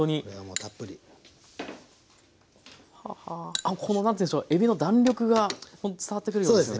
あっこの何ていうんでしょうえびの弾力が伝わってくるようですよね。